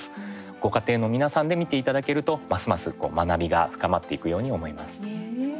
ご家庭の皆さんで見ていただけるとますます学びが深まっていくように思います。